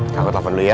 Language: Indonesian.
kakut telepon dulu ya